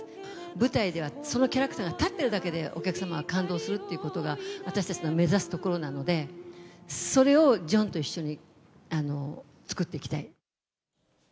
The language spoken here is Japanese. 舞台ではそのキャラクターが立ってるだけで、お客様が感動するっていうことが、私たちの目指すところなので、それをジョンと一緒に作っていきたい。